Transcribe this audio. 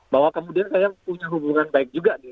bahwa kemudian saya punya hubungan baik juga